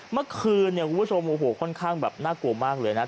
เมื่อคืนเนี่ยคุณผู้ชมโอ้โหค่อนข้างแบบน่ากลัวมากเลยนะ